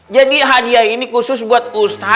jadi hadiah ini khusus buat ustadz dan ustazah aja